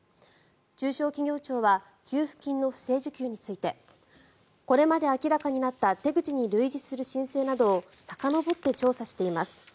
中小企業庁は給付金の不正受給についてこれまで明らかになった手口に類似する申請などをさかのぼって調査しています。